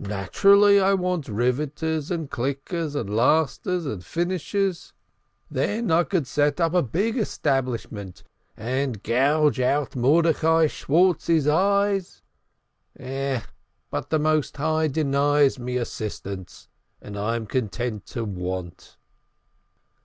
Naturally I want Riveters and Clickers and Lasters and Finishers. Then I could set up a big establishment and gouge out Mordecai Schwartz's eyes. But the Most High denies me assistants, and I am content to want."